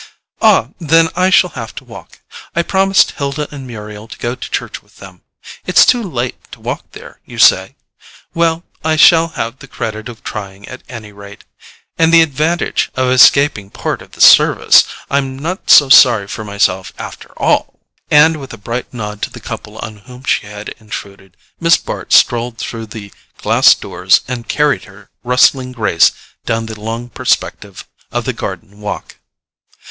"Ah, then I shall have to walk; I promised Hilda and Muriel to go to church with them. It's too late to walk there, you say? Well, I shall have the credit of trying, at any rate—and the advantage of escaping part of the service. I'm not so sorry for myself, after all!" And with a bright nod to the couple on whom she had intruded, Miss Bart strolled through the glass doors and carried her rustling grace down the long perspective of the garden walk.